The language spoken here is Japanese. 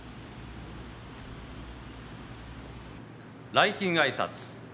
来賓あいさつ。